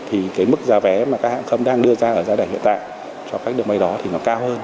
thì cái mức giá vé mà các hãng không đang đưa ra ở giai đoạn hiện tại cho các đường bay đó thì nó cao hơn